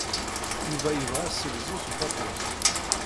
Yuba yebɣa assegzu s ufatus.